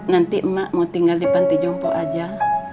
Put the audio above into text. nanti mak mau tinggal di pantai jompo aja